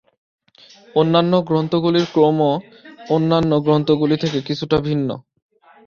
অন্যান্য গ্রন্থগুলির ক্রমও অন্যান্য গ্রন্থগুলি থেকে কিছুটা ভিন্ন।